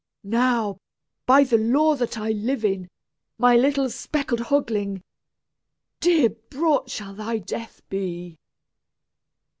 Now, by the law that I live in, My little speckled hoglin, Dear bought shall thy death be!"